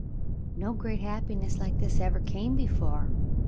'* No great happiness Hke this ever came before.